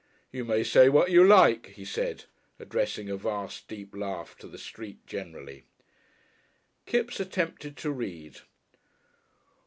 "You may say what you like," he said, addressing a vast, deep laugh to the street generally. Kipps attempted to read.